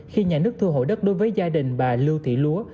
khi nhà nước thu hội đất đối với gia đình và lưu thị lúa